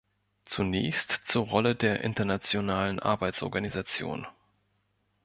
Zunächst zur Rolle der Internationalen Arbeitsorganisation.